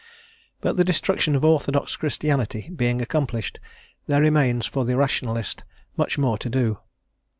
But the destruction of orthodox Christianity being accomplished, there remains for the Rationalist much more to do.